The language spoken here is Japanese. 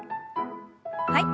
はい。